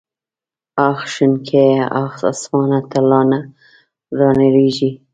اخ شنکيه اخ اسمانه ته لا نه رانړېږې.